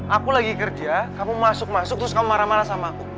aku lagi kerja kamu masuk masuk terus kamu marah marah sama aku